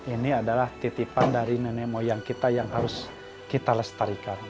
ini adalah titipan dari nenek moyang kita yang harus kita lestarikan